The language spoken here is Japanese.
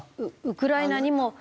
ウクライナにも。